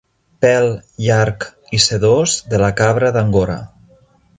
Pèl llarg i sedós de la cabra d'Angora.